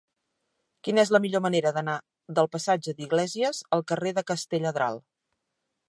Quina és la millor manera d'anar del passatge d'Iglésias al carrer de Castelladral?